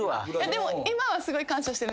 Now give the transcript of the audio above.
でも今はすごい感謝してるんですよ。